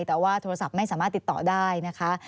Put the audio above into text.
แต่ว่าโทรศัพท์ไม่สามารถติดต่อได้นะคะ